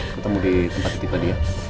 ketemu di tempat ketika dia ya